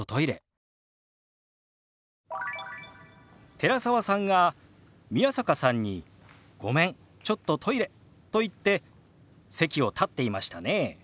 寺澤さんが宮坂さんに「ごめんちょっとトイレ」と言って席を立っていましたね。